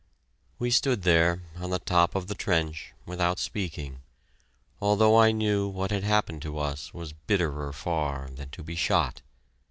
We stood there on the top of the trench, without speaking, although I knew what had happened to us was bitterer far than to be shot.